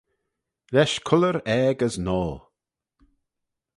Lesh cullyr aeg as noa.